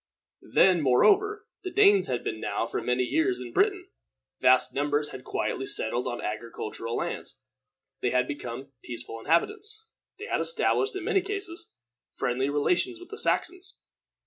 Then, moreover, the Danes had been now for many years in Britain. Vast numbers had quietly settled on agricultural lands. They had become peaceful inhabitants. They had established, in many cases, friendly relations with the Saxons.